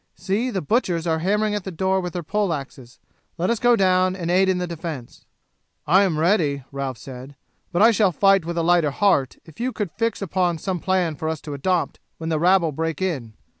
See, the butchers are hammering at the door with their pole axes. Let us go down and aid in the defence." "I am ready," Ralph said, "but I shall fight with a lighter heart if you could fix upon some plan for us to adopt when the rabble break in.